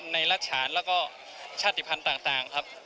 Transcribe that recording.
รัฐฉานแล้วก็ชาติภัณฑ์ต่างครับ